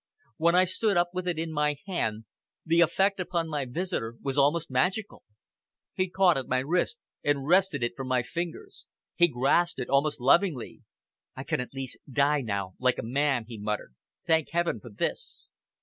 When I stood up with it in my hand, the effect upon my visitor was almost magical. He caught at my wrist and wrested it from my fingers. He grasped it almost lovingly. "I can at least die now like a man," he muttered. "Thank Heaven for this!"